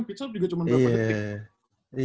pit stop juga cuma berapa detik